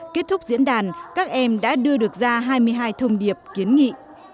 kết thúc diễn đàn các em đã đưa được ra hai mươi hai thông điệp kiến nghị